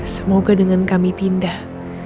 semoga dengan kami pindah